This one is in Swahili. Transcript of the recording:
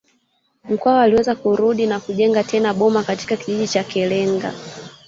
Mkwawa aliweza kurudi na kujenga tena boma katika kijiji cha Kalenga